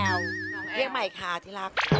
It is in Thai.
เอาใหม่ค่ะที่รัก